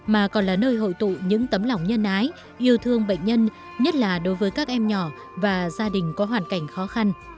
mà còn là nơi hội tụ những tấm lòng nhân ái yêu thương bệnh nhân nhất là đối với các em nhỏ và gia đình có hoàn cảnh khó khăn